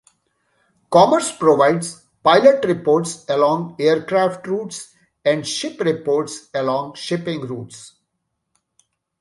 Commerce provides pilot reports along aircraft routes and ship reports along shipping routes.